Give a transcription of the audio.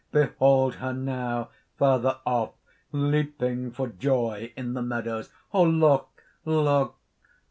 Behold her now, further off, leaping for joy in the meadows. Look! Look!